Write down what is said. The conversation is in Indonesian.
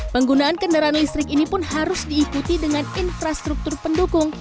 penggunaan kendaraan listrik ini pun harus diikuti dengan infrastruktur pendukung